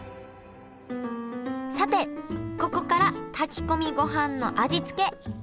さてここから炊き込みごはんの味付け。